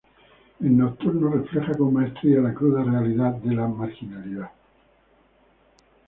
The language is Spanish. En "Nocturno" refleja con maestría la cruda realidad de la marginalidad.